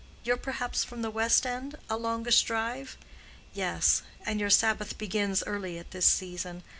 You're perhaps from the West End—a longish drive?" "Yes; and your Sabbath begins early at this season.